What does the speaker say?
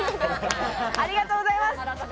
ありがとうございます。